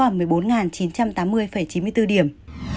s p năm trăm linh giảm một mươi bốn chín trăm tám mươi chín mươi bốn điểm